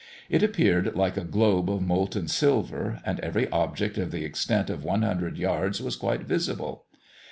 It appeared like a globe of molten silver, and every object of the extent of one hundred yards was quite visible.